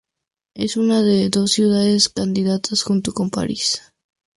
Es una de dos ciudades candidatas, junto con París.